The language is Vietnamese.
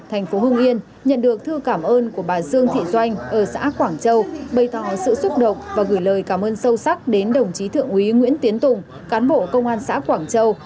thành phố hưng yên nhận được thư cảm ơn của bà dương thị doanh ở xã quảng châu bày tỏ sự xúc động và gửi lời cảm ơn sâu sắc đến đồng chí thượng úy nguyễn tiến tùng cán bộ công an xã quảng châu